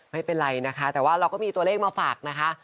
ไม่เป็นไรนะคะแต่ว่าเราก็มีตัวเลขมาฝากนะคะ